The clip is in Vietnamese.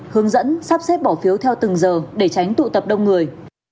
hướng dẫn sắp xếp bỏ phiếu theo từng giờ để tránh tụ tập đông người